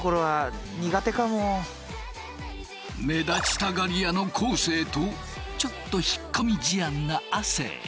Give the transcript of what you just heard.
目立ちたがり屋の昴生とちょっと引っ込み思案な亜生。